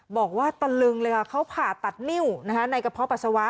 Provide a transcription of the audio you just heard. บอกว่าตะลึงเลยค่ะเขาผ่าตัดนิ้วในกระเพาะปัสสาวะ